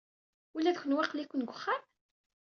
Ula d kenwi aql-iken deg uxxam?